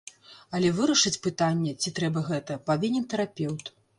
Але вырашыць пытанне, ці трэба гэта, павінен тэрапеўт.